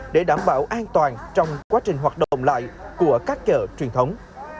để đảm bảo an toàn trong quá trình hoạt động lại của các chợ truyền thống